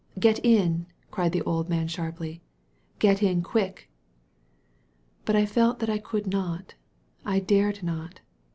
"Get, in," cried the old man sharply; "get in quick." But I felt that I could not, I dared not.